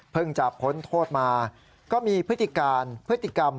เพิ่งจับค้นโทษมาก็มีพฤติการพฤติกรรม